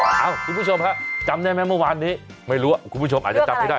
คุณผู้ชมฮะจำได้ไหมเมื่อวานนี้ไม่รู้ว่าคุณผู้ชมอาจจะจำไม่ได้